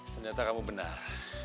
ternyata kamu benar